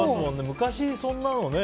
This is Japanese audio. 昔、そんなのね。